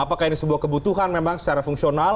apakah ini sebuah kebutuhan memang secara fungsional